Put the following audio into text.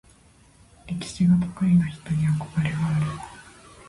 歴史が得意な人に憧れがある。